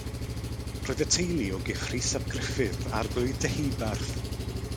Roedd y teulu o gyff Rhys ap Gruffydd, Arglwydd Deheubarth.